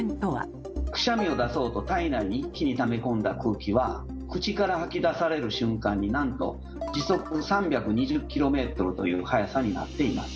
くしゃみを出そうと体内に一気にため込んだ空気は口から吐き出される瞬間になんと時速３２０ｋｍという速さになっています。